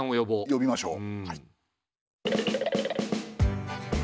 呼びましょう。